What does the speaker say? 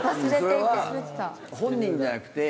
本人じゃなくて。